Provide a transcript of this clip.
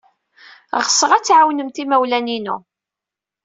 Ɣseɣ ad tɛawnemt imawlan-inu.